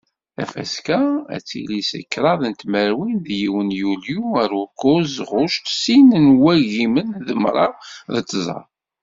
Tafaska ad tili seg kraḍ n tmerwin d yiwen yulyu ar ukuẓ ɣuct sin n wagimen d mraw d tẓa.